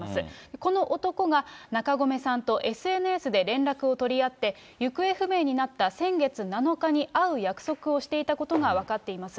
この男が中込さんとＳＮＳで連絡を取り合って、行方不明になった先月７日に会う約束をしていたことが分かっています。